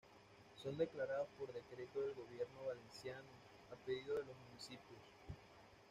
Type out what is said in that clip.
Son declarados por decreto del Gobierno Valenciano, a pedido de los municipios.